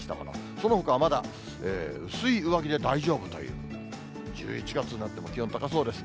そのほかはまだ薄い上着で大丈夫という、１１月になっても気温高そうです。